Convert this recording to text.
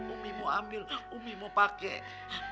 umi mau ambil umi mau pakai